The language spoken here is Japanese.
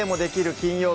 金曜日」